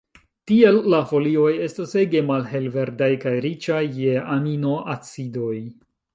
Tiel la folioj estas ege malhelverdaj kaj riĉaj je aminoacidoj.